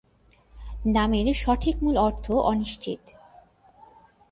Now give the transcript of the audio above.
নামের সঠিক মূল অর্থ অনিশ্চিত।